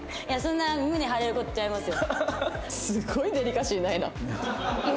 いやそんな胸張れる事ちゃいますよ。